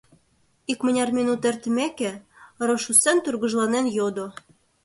— икмыняр минут эртымеке, Рошуссен тургыжланен йодо.